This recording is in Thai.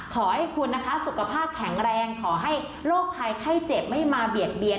ขอให้คุณนะคะสุขภาพแข็งแรงขอให้โรคภัยไข้เจ็บไม่มาเบียดเบียน